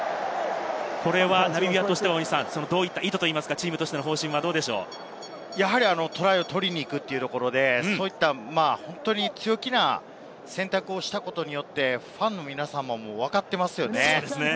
ナミビアとしてはどういった意図、チームの方針としては、どうでしトライを取りに行くというところで、強気な選択をしたことによって、ファンの皆さんも、わかっていますよね。